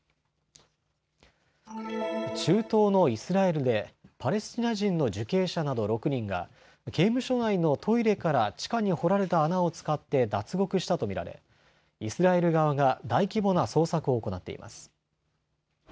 中東のイスラエルでパレスチナ人の受刑者など６人が刑務所内のトイレから地下に掘られた穴を使って脱獄したと見られ、イスラエル側が大規模な捜索を行っています。